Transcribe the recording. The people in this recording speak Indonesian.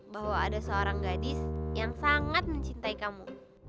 bahwa ada seorang gadis yang sangat mencintai kamu